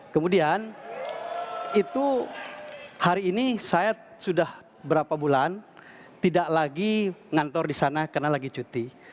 kemudian itu hari ini saya sudah berapa bulan tidak lagi ngantor di sana karena lagi cuti